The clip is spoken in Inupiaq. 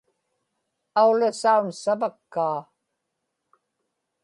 aulasaun savakkaa